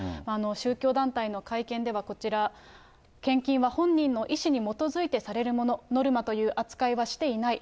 宗教団体の会見では、こちら、献金は本人の意思に基づいてされるもの、ノルマという扱いはしていない。